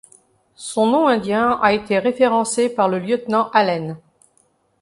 Son nom indien a été référencé par le lieutenant Allen.